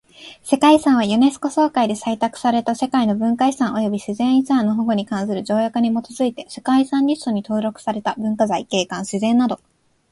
世界遺産はユネスコ総会で採択された世界の文化遺産及び自然遺産の保護に関する条約に基づいて世界遺産リストに登録された文化財、景観、自然など。